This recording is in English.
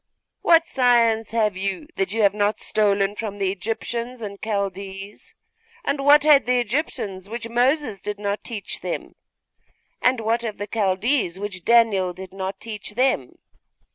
What science have you that you have not stolen from the Egyptians and Chaldees? And what had the Egyptians which Moses did not teach them? And what have the Chaldees which Daniel did not teach them?